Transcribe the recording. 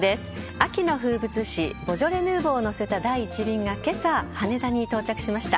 秋の風物詩ボジョレ・ヌーボーを載せた第一便が今朝、羽田に到着しました。